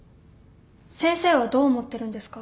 先生はどう思ってるんですか？